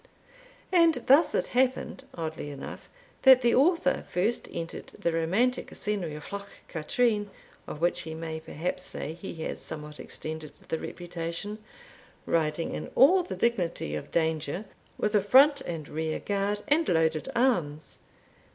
And thus it happened, oddly enough, that the Author first entered the romantic scenery of Loch Katrine, of which he may perhaps say he has somewhat extended the reputation, riding in all the dignity of danger, with a front and rear guard, and loaded arms.